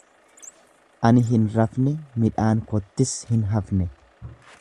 Ani hin rafne midhaan kottis hin hafne.